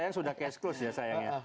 sayang sudah case closed ya sayang ya